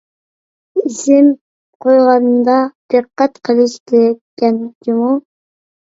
ئىسىم قويغاندا دىققەت قىلىش كېرەككەن جۇمۇ.